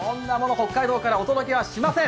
北海道からお届けはしません。